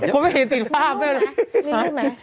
คุณไม่เห็นติดภาพแม่เลย